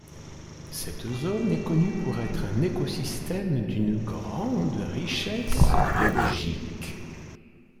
Cette zone est connue pour être un écosystème d'une grande richesse biologique.